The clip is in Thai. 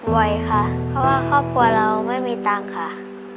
บ่อยค่ะเพราะว่าครอบครัวเราไม่มีตังค์ค่ะ